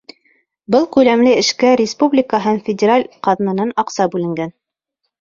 Был күләмле эшкә республика һәм федераль ҡаҙнанан аҡса бүленгән.